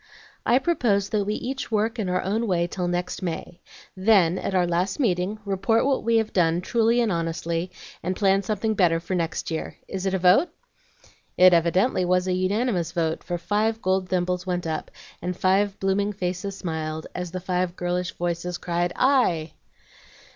"I propose that we each work in our own way till next May, then, at our last meeting, report what we have done, truly and honestly, and plan something better for next year. Is it a vote?" It evidently was a unanimous vote, for five gold thimbles went up, and five blooming faces smiled as the five girlish voices cried, "Aye!"